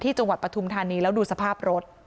จังหวัดปฐุมธานีแล้วดูสภาพรถ